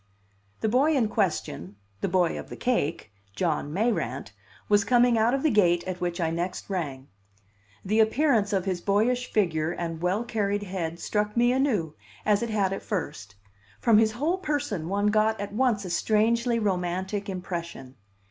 The boy in question, the boy of the cake, John Mayrant, was coming out of the gate at which I next rang. The appearance of his boyish figure and well carried head struck me anew, as it had at first; from his whole person one got at once a strangely romantic impression.